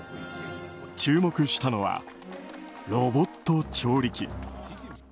注目したのはロボット調理機。